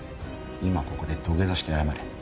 今ここで土下座して謝れ。